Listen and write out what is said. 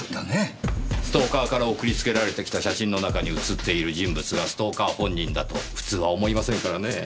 ストーカーから送りつけられてきた写真の中に写っている人物がストーカー本人だと普通は思いませんからねぇ。